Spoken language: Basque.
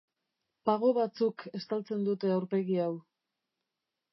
Pago batzuk estaltzen dute aurpegi hau.